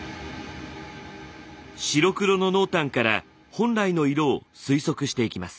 白黒の濃淡から本来の色を推測していきます。